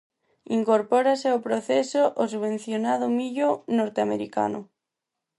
Incorpórase ao proceso o subvencionado millo norteamericano.